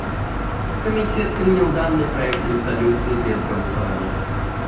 Комитет принял данный проект резолюции без голосования.